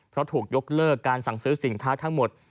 เพราะถูกยกเลิกการสั่งซื้อสินค้าทั้งหมด